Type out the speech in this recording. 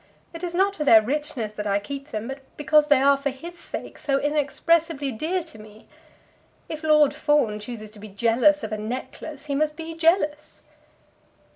It is not for their richness that I keep them, but because they are, for his sake, so inexpressibly dear to me. If Lord Fawn chooses to be jealous of a necklace, he must be jealous."